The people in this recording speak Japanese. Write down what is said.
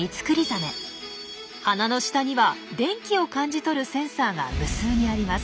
鼻の下には電気を感じ取るセンサーが無数にあります。